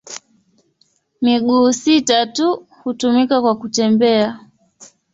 Miguu sita tu hutumika kwa kutembea.